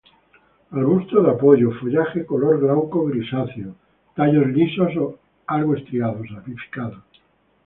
Arbusto de apoyo, follaje color glauco grisáceo, tallos lisos o algo estriados, ramificados.